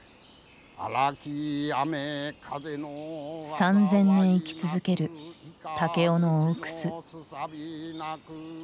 ３，０００年生き続ける武雄の大楠。